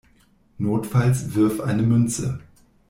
Notfalls wirf eine Münze.